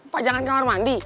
pajangan kamar mandi